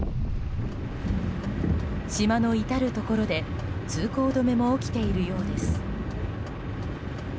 島の至るところで通行止めも起きているようです。